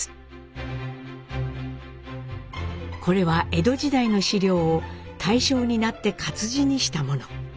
これは江戸時代の史料を大正になって活字にしたもの。